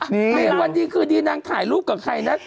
แต่วันที่คือนี่นางถ่ายรูปกับใครนะ